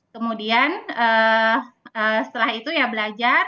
kemudian setelah itu ya belajar